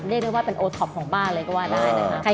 เรียกได้ว่าเป็นครั้งแรกของบ้านก็ว่าได้นะครับ